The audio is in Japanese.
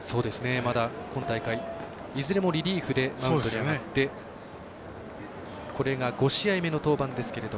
まだ今大会いずれもリリーフでマウンドに上がってこれが５試合目の登板ですが。